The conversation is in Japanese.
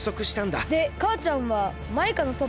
でかあちゃんはマイカのパパにあったの？